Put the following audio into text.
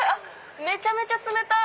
めちゃめちゃ冷たい！